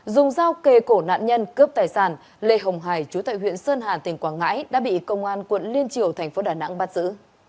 dùng dao kề cổ nạn nhân cướp tài sản lê hồng hải chú tại huyện sơn hà tỉnh quảng ngãi đã bị công an quận liên triều thành phố đà nẵng bắt giữ